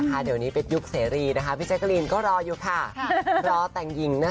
แต่งอยู่ทุกวันแต่งหญิงน่ะ